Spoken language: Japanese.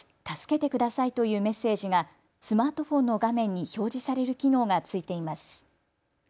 助けてくださいというメッセージがスマートフォンの画面に表示される機能がついています。